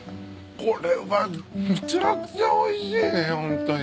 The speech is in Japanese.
これはめちゃくちゃおいしいねホントに。